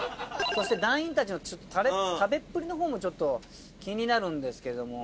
そして団員たちの食べっぷりのほうもちょっと気になるんですけども。